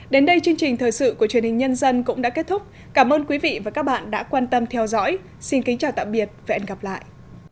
đến đây chương trình thời sự của truyền hình nhân dân cũng đã kết thúc cảm ơn quý vị và các bạn đã quan tâm theo dõi xin kính chào tạm biệt và hẹn gặp lại